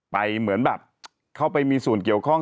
เหมือนแบบเข้าไปมีส่วนเกี่ยวข้อง